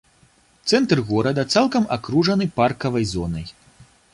Цэнтр горада цалкам акружаны паркавай зонай.